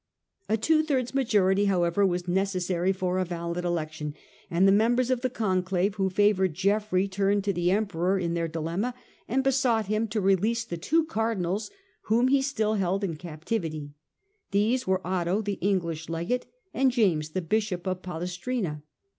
A two thirds majority, however, was necessary for a valid election, and the members of the Conclave who favoured Geoffrey turned to the Emperor in their dilemma and besought him to release the two Cardinals whom he still held in captivity. These were Otho, the English Legate, and James, the Bishop of Palestrina.